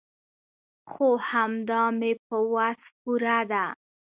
خو همدا مې په وس پوره ده.